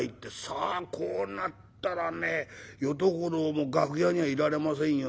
さあこうなったらね淀五郎も楽屋にはいられませんよ。